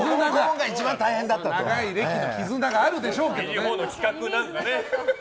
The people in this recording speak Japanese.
長い歴の絆があるでしょうけどね。